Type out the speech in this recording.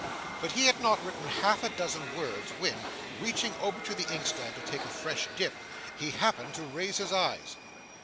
But he had not written half a dozen words when, reaching over to the inkstand to take a fresh dip, he happened to raise his eyes.